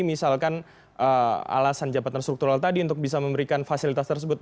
misalkan alasan jabatan struktural tadi untuk bisa memberikan fasilitas tersebut